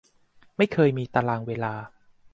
ไม่เคยมีตารางเวลา